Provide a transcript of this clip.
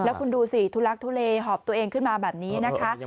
แล้วคุณดูสิทุลักทุเลหอบตัวเองขึ้นมาแบบนี้นะคะ